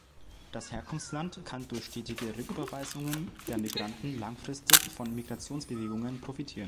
Das Herkunftsland kann durch stetige Rücküberweisungen der Migranten langfristig von Migrationsbewegungen profitieren.